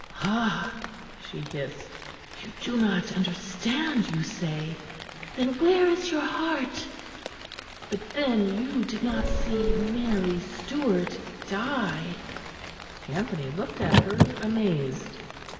"Ah!" she hissed, "you do not understand, you say? Then where is your heart? But then you did not see Mary Stuart die." Anthony looked at her, amazed.